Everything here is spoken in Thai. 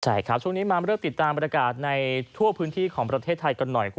ช่วงนี้มาเลิกติดตามราฬิกาศในทั่วพื้นที่ของประเทศไทย